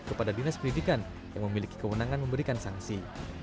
kepada dinas pendidikan yang memiliki kewenangan memberikan sanksi